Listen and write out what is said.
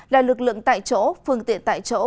là lực lượng tại chỗ phương tiện tại chỗ